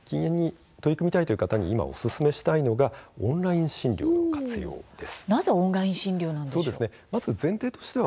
そうした中禁煙に取り組みたいという人におすすめしたいのがオンライン診療の活用です。